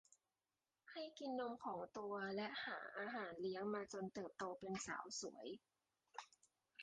ให้กินนมของตัวและหาอาหารเลี้ยงมาจนเติบโตเป็นสาวสวย